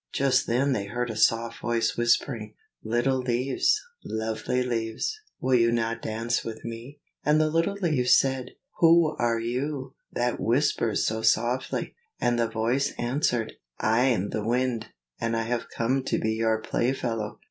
Just then they heard a soft voice whispering, "Little leaves, lovely leaves, will you not dance with me?" And the little leaves said, "Who are you, that whispers so softly?" And the voice answered, "I am the Wind, and I have come to be your playfellow.